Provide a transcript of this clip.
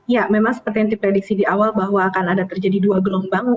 ya memang seperti yang diprediksi di awal bahwa akan ada terjadi dua gelombang